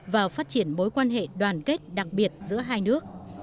và phát triển mối quan hệ đoàn kết đặc biệt giữa hai nước